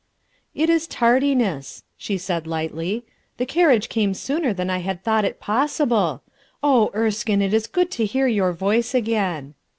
"It is tardiness," she said lightly. "The carriage came sooner than I had thought it possible. Erskine, it is good to hear your voice again."